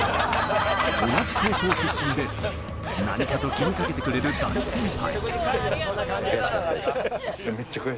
同じ高校出身で、何かと気にかけてくれる大先輩。